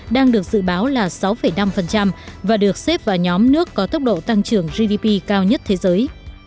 đang được dự báo là sáu năm và được xếp vào nhóm nước có tốc độ tăng trưởng gdp cao nhất thế giới